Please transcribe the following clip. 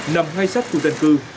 nằm ngay sát khu dân cư